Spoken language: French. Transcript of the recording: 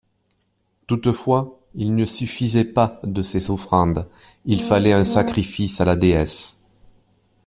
Toutefois il ne suffisait pas de ces offrandes, il fallait un sacrifice à la déesse.